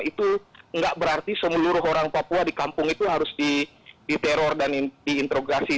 itu nggak berarti seluruh orang papua di kampung itu harus diteror dan diinterograsi